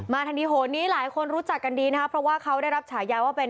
ทันทีโหนนี้หลายคนรู้จักกันดีนะครับเพราะว่าเขาได้รับฉายาว่าเป็น